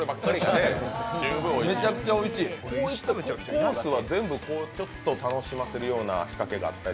コースは全部こういうちょっと楽しませるような仕掛けがあったり？